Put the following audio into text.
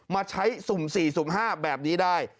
มาใช้สุ่ม๔สุ่ม๕แบบนี้ได้